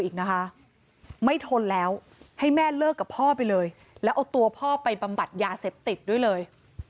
อีกนะคะไม่ทนแล้วให้แม่เลิกกับพ่อไปเลยแล้วเอาตัวพ่อไปบำบัดยาเสพติดด้วยเลย